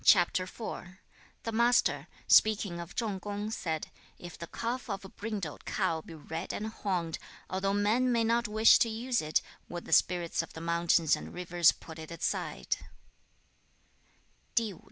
The Master, speaking of Chung kung, said, 'If the calf of a brindled cow be red and horned, although men may not wish to use it, would the spirits of the mountains and rivers put it aside?'